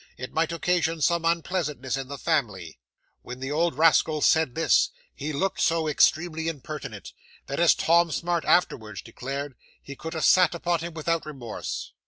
It might occasion some unpleasantness in the family." When the old rascal said this, he looked so extremely impertinent, that, as Tom Smart afterwards declared, he could have sat upon him without remorse.